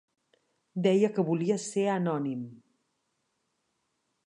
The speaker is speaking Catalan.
Deia que volia ser anònim.